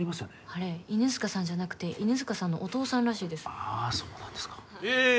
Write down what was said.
あれ犬塚さんじゃなくて犬塚さんのお父さんらしいですああそうなんですかええ